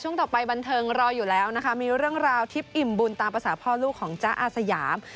ต่อไปบันเทิงรออยู่แล้วนะคะมีเรื่องราวทิพย์อิ่มบุญตามภาษาพ่อลูกของจ๊ะอาสยาม